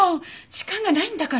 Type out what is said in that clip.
時間がないんだから。